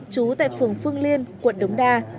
chú tại phường phương liên quận đống đa